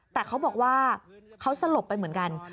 แต่เขาบอกว่าเขาสลบไปเหมือนกัน